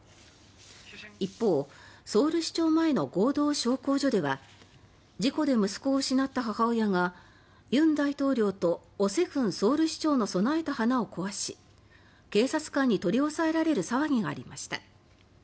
一方、ソウル市庁前の合同焼香所では事故で息子を失った母親が尹大統領とオ・セフンソウル市長の供えた花を壊し警察官に取り押さえられる騒ぎがありました。